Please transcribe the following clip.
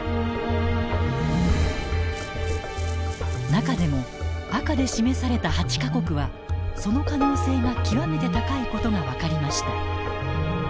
中でも赤で示された８か国はその可能性が極めて高いことが分かりました。